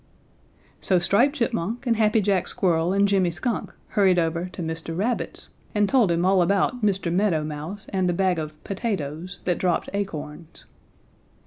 "So Striped Chipmunk and Happy Jack Squirrel and Jimmy Skunk hurried over to Mr. Rabbit's and told him all about Mr. Meadow Mouse and the bag of potatoes that dropped acorns.